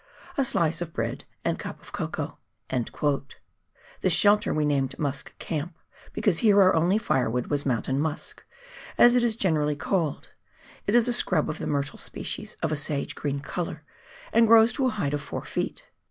A slice of bread and cup of cocoa." This shelter we named "Musk Camp," because here our only fire wood was mountain musk, as it is generally called. It is a shrub of the myrtle species, of a sage green colour, and grows to a height of four feet.